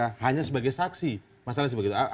hanya sebagai saksi masalahnya seperti itu